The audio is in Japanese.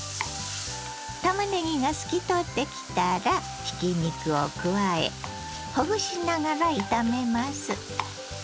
たまねぎが透き通ってきたらひき肉を加えほぐしながら炒めます。